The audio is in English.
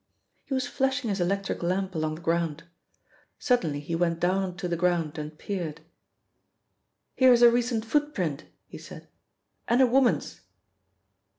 He was flashing his electric lamp along the ground. Suddenly he went down on to the ground and peered. "Here is a recent footprint," he said, "and a woman's!"